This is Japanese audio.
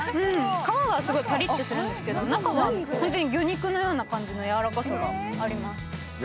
皮がすごいパリッとしているんですけど、中は魚肉のようなやわらかさがあります。